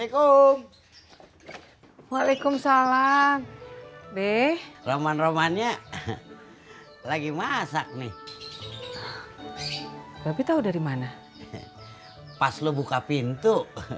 waalaikumsalam deh roman romannya lagi masak nih babi tahu dari mana pas lo buka pintu